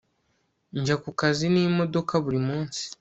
njya ku kazi n'imodoka buri munsi